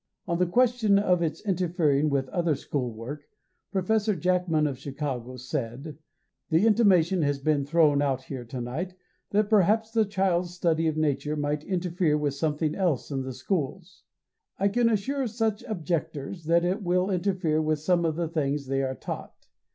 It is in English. On the question of its interfering with other school work, Prof. Jackman of Chicago said: "The intimation has been thrown out here to night that perhaps the child's study of nature might interfere with something else in the schools. I can assure such objectors that it will interfere with some of the things they are taught.